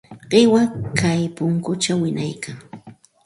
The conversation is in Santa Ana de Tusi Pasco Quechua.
Qiwa kay punkućhaw wiñaykan.